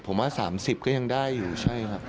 ผมว่า๓๐ก็ยังได้อยู่ใช่ครับ